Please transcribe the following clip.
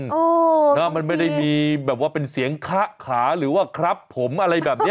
เออนะมันไม่ได้มีแบบว่าเป็นเสียงคะขาหรือว่าครับผมอะไรแบบนี้